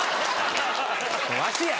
わしや！